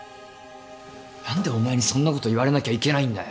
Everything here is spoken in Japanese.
何でお前にそんなこと言われなきゃいけないんだよ。